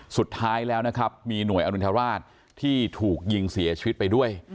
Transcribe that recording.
สุดท้ายแล้วนะครับมีหน่วยอนุณฑราชที่ถูกยิงเสียชีวิตไปด้วย